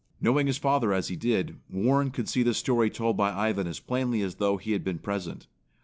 Knowing his father as he did, Warren could see the story told by Ivan as plainly as though he had been present.